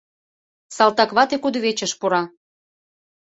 Салтаквате кудывечыш пура.